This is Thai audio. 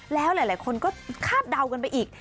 แล้วหลายคนก็คาดเดากันไปอีก